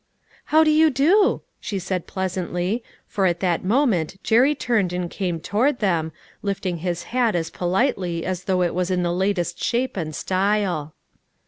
"How do you do?" .she said pleasantly, for at that moment Jerry turned and came toward them, lifting his hat as politely as though it was in the latest shape and style.